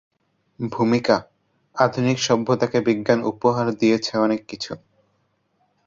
ভূমিকা: আধুনিক সভ্যতাকে বিজ্ঞান উপহার দিয়েছে অনেক কিছু।